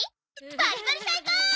バリバリ最高！